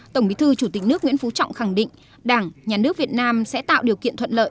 tổng bí thư chủ tịch nước nguyễn phú trọng khẳng định đảng nhà nước việt nam sẽ tạo điều kiện thuận lợi